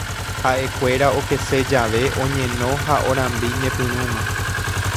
Haʼekuéra okese jave oñeno ha orambi ñepyrũma.